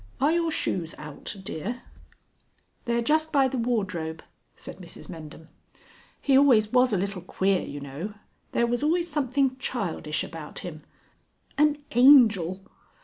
("Are your shoes out, dear?") ("They're just by the wardrobe"), said Mrs Mendham. "He always was a little queer, you know. There was always something childish about him.... An Angel!"